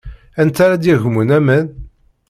Anta ara d-yagmen aman?